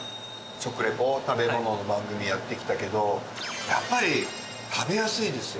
食リポ食べ物の番組やってきたけどやっぱり食べやすいですよ。